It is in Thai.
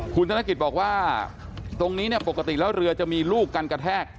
คุณธนกิจบอกว่าตรงนี้เนี่ยปกติแล้วเรือจะมีลูกกันกระแทก